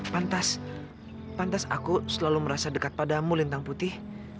pantas pantas aku selalu merasa dekat padamu lintang putih